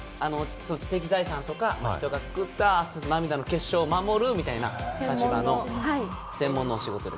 知的財産とか人が作った涙の結晶を守るみたいな立場の専門のお仕事です。